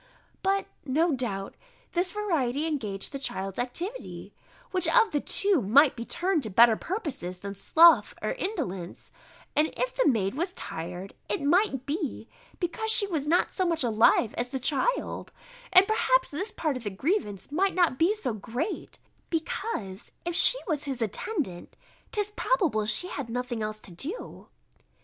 But, no doubt, this variety engaged the child's activity; which, of the two might be turned to better purposes than sloth or indolence; and if the maid was tired, it might be, because she was not so much alive as the child; and perhaps this part of the grievance might not be so great, because if she was his attendant, 'tis probable she had nothing else to do.